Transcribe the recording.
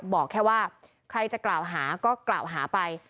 บอกแค่ว่าใครจะกล่าวหาก็กล่าวหาไป